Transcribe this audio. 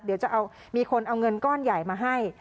เดี๋ยวจะเอามีคนเอาเงินก้อนใหญ่มาให้